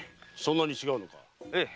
そんなに違うのか？